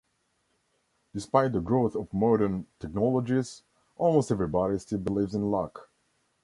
Despite the growth of modern technologies, almost everybody still believes in luck.